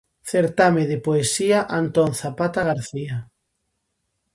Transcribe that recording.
Certame de poesía Antón Zapata García.